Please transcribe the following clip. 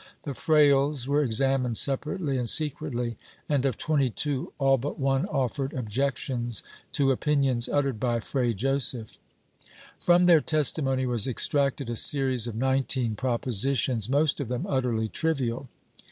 The frailes were examined separately and secretly and, of twenty two, all but one offered objections to opinions uttered by Fray Joseph. From their testimony was extracted a series of nineteen proposi tions, most of them utterly trivial.